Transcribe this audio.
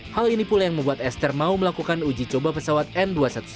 hal ini pula yang membuat esther mau melakukan uji coba pesawat n dua ratus sembilan belas